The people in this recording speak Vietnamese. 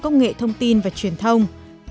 công nghệ thông tin và truyền thông